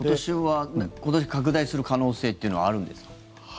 今年拡大する可能性っていうのはあるんですか？